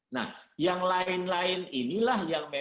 nah yang lain lain inilah yang memang